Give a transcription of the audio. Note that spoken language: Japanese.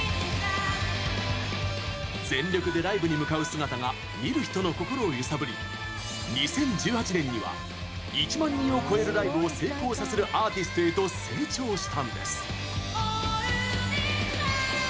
全力でライブに向かう姿が見る人の心を揺さぶり２０１８年には１万人を超えるライブを成功させるアーティストへと成長したんです。